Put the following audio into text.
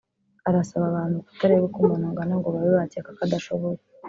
Arasaba abantu kutareba uko umuntu angana ngo babe bakeka ko adashoboye